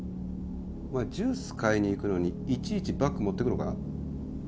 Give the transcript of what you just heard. お前ジュース買いに行くのにいちいちバッグ持ってくのか？